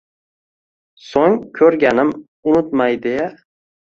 So‘ng ko‘rganim unutmay deya